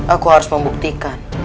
aku harus membuktikan